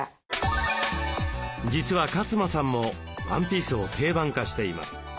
実は勝間さんもワンピースを定番化しています。